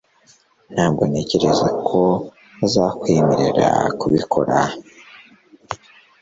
Ntabwo ntekereza ko bazakwemerera kubikora